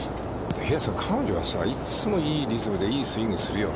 平瀬さん、彼女はいつもいいリズムでいいスイングするよね。